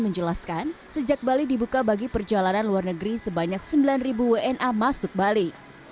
menjelaskan sejak bali dibuka bagi perjalanan luar negeri sebanyak sembilan wna masuk bali